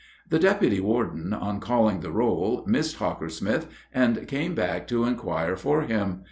The deputy warden, on calling the roll, missed Hockersmith, and came back to inquire for him.